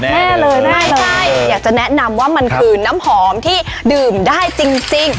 ไม่ใช่อยากจะแนะนำว่ามันคือน้ำหอมที่ดื่มได้จริง